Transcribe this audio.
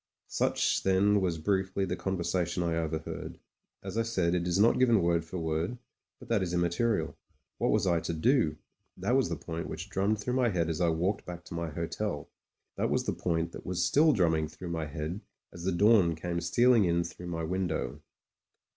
Such then was briefly the conversation I overheard. As I said, it is not given word for word — ^but that is immaterial. What was I to do? That was the point which drummed through my head as I walked back to my hotel ; that was the point which was still drum SPUD TREVOR OF THE RED HUSSARS 89 ming through my head as the dawii came stealing in through my window.